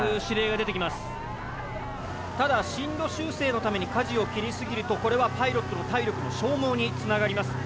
ただ進路修正のために舵を切り過ぎるとこれはパイロットの体力の消耗に繋がります。